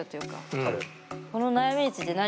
分かる。